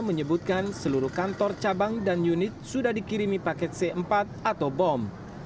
menyebutkan seluruh kantor cabang dan unit sudah dikirimi paket c empat atau bom